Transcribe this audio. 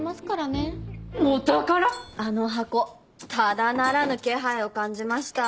あの箱ただならぬ気配を感じました。